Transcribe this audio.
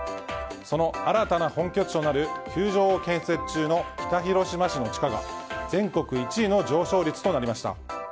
その新たな本拠地となる球場を建設中の北広島市の地価が全国１位の上昇率となりました。